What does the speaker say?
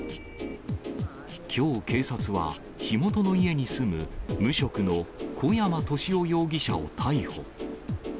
きょう警察は、火元の家に住む、無職の小山利男容疑者を逮捕。